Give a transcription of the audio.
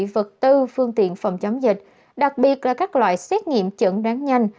vật tư phương tiện phòng chống dịch đặc biệt là các loại xét nghiệm chẩn đoán nhanh